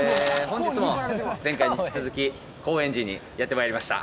本日も前回に引き続き高円寺にやって参りました